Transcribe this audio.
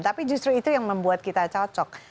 tapi justru itu yang membuat kita cocok